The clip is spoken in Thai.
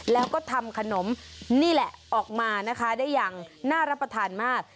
แล้วก็ทำขนมนี่แหละออกมานะคะได้อย่างน่ารับประทานมาก